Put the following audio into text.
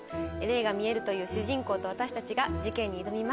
霊が視えるという主人公と私たちが事件に挑みます。